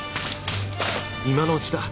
今のうちだ！